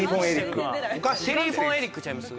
ケリー・フォン・エリックちゃいます？